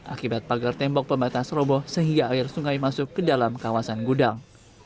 akibat pagar tembok pembatas roboh sehingga air sungai masuk ke dalam kawasan gudang